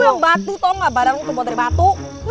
lo yang batu tau nggak badang lo dibuat dari batu